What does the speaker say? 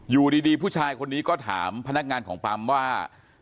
อยู่ดีผู้ชายคนนี้ก็ถามพนักงานของปั๊มว่า